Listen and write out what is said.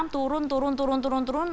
turun turun turun turun turun